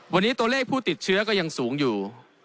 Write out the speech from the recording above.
วันนี้ตัวเลขผู้ติดเชื้อก็ยังสูงอยู่